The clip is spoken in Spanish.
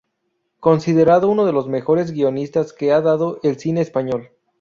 Considerado uno de los mejores guionistas que ha dado el Cine Español.